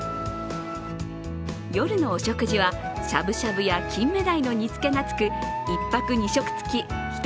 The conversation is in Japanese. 夜のお食事はしゃぶしゃぶや金目鯛の煮付けがつく１泊２食つき１人